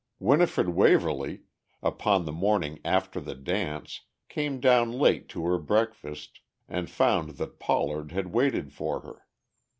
Winifred Waverly, upon the morning after the dance, came down late to her breakfast, and found that Pollard had waited for her.